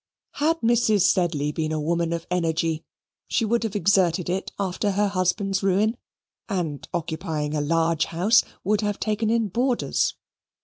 Had Mrs. Sedley been a woman of energy, she would have exerted it after her husband's ruin and, occupying a large house, would have taken in boarders.